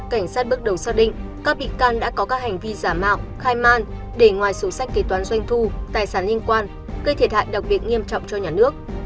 cảnh sát bước đầu xác định các bị can đã có các hành vi giả mạo khai man để ngoài sổ sách kế toán doanh thu tài sản liên quan gây thiệt hại đặc biệt nghiêm trọng cho nhà nước